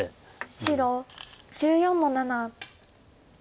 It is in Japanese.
白１４の七。